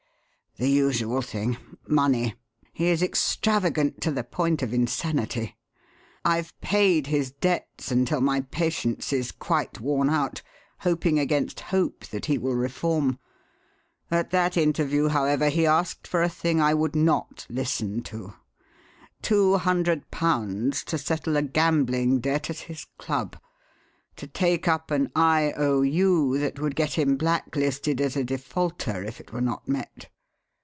"The usual thing money. He is extravagant to the point of insanity. I've paid his debts until my patience is quite worn out, hoping against hope that he will reform. At that interview, however, he asked for a thing I would not listen to £200 to settle a gambling debt at his club: to take up an I. O. U. that would get him blacklisted as a defaulter if it were not met.